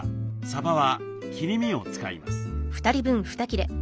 さばは切り身を使います。